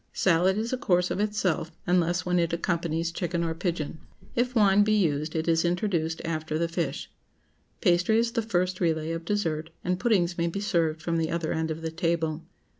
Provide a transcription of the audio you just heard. Salad is a course of itself, unless when it accompanies chicken or pigeon. If wine be used, it is introduced after the fish. Pastry is the first relay of dessert, and puddings may be served from the other end of the table.